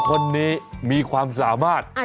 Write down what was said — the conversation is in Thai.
คนนี้มีความสามารถ